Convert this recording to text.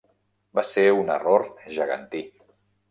Va ser un error gegantí.